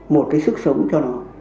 một cái sức sống cho nó